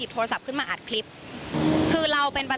แต่ว่าเขามองว่า